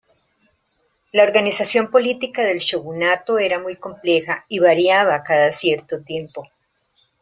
La organización política del shogunato era muy compleja, y variaba cada cierto tiempo.